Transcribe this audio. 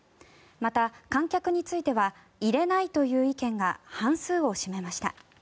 また、観客については入れないという意見が半数を占めました。